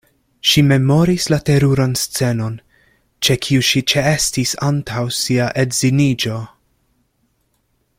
Ŝi memoris la teruran scenon, ĉe kiu ŝi ĉeestis antaŭ sia edziniĝo.